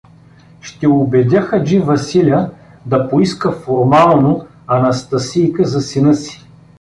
— Ще убедя хаджи Василя да поиска формално Анастасийка за сина си.